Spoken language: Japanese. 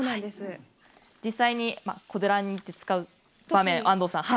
実際に、こでらんにって使う場面を、安藤さん。